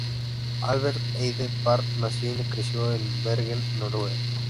Albert Eide Parr nació y creció en Bergen, Noruega.